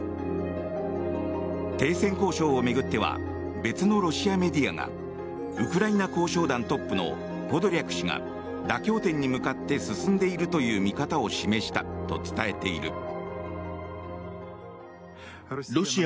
停戦交渉を巡っては別のロシアメディアがウクライナ交渉団トップのポドリャク氏が妥協点に向かって進んでいるという見方を示したと伝えている。